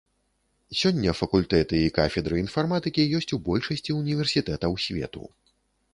Сёння факультэты і кафедры інфарматыкі ёсць у большасці універсітэтаў свету.